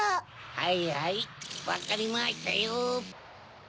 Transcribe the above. はいはいわかりましたよ。